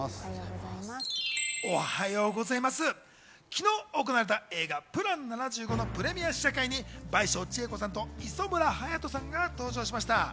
昨日行われた映画『ＰＬＡＮ７５』のプレミア試写会に倍賞千恵子さんと磯村勇斗さんが登場しました。